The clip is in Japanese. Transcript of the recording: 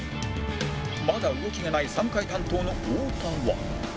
まだ動きがない３階担当の太田は